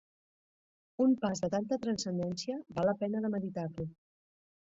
Un pas de tanta transcendència val la pena de meditar-lo.